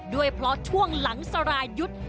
ด้วยเพราะช่วงหลังสรายุทธ์